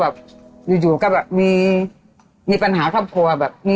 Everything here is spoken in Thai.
แม่ไปรู้ได้ยังไง